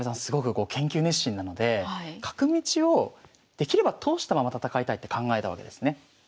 すごく研究熱心なので角道をできれば通したまま戦いたいって考えたわけですね。